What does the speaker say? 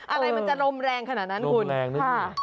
อะไรมันจะรมแรงขนาดนั้นค่ะ